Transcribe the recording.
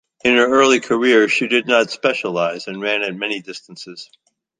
In her early career, she did not specialise, and ran at many distances.